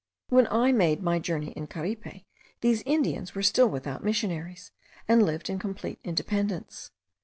When I made my journey in Caripe, these Indians were still without missionaries, and lived in complete independence.